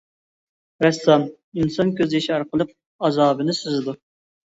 رەسسام ئىنسان كۆز يېشى ئارقىلىق ئازابنى سىزىدۇ.